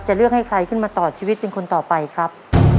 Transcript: เลือกให้ใครขึ้นมาต่อชีวิตเป็นคนต่อไปครับ